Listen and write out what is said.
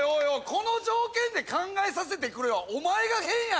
この条件で「考えさせてくれ」はお前が変やでおい。